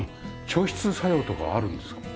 調湿作用とかはあるんですか？